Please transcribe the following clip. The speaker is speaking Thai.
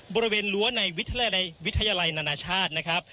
บริเวณรั้วในวิทยาลัยนานาชาตินะครับ